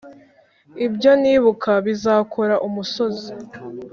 ibyo nibuka bizakora umusozi